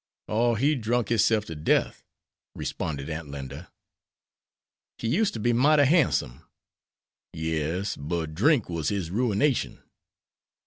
"Oh, he drunk hisself to death," responded Aunt Linda. "He used ter be mighty handsome." "Yes, but drink war his ruination."